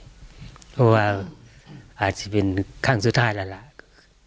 เพราะว่าอาจจะเป็นครั้งสุดท้ายแล้วล่ะ